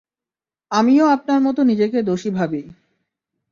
আমিও আপনার মত নিজেকে দোষী ভাবি।